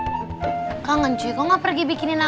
bakal kurang cuando el hr kalau mau muadumi kesaming